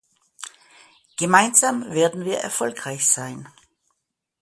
Gemeinsam werden wir erfolgreich sein.